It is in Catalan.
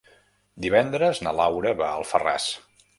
Divendres na Laura va a Alfarràs.